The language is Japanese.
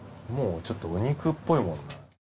もうちょっとお肉っぽいもん。